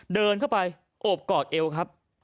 เดินเข้าไปโอบกอดเอวครับ